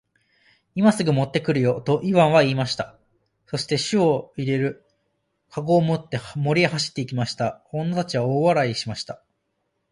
「今すぐ持って来るよ。」とイワンは言いました。そして種を入れる籠を持って森へ走って行きました。女たちは大笑いしました。